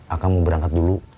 akang mau berangkat dulu